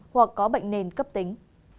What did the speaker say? hoặc có bệnh nền cấp tính